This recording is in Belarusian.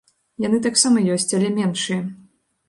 Яны таксама ёсць, але меншыя.